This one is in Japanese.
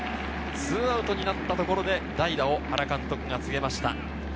２アウトになったところで代打を原監督が告げました。